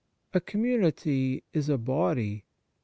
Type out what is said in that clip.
A community is a body.